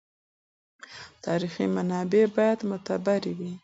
تاریخي منابع باید معتبر وي.